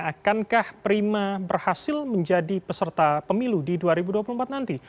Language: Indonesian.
akankah prima berhasil menjadi peserta pemilu di dua ribu dua puluh empat nanti